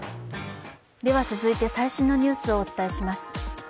続いて最新のニュースをお伝えします。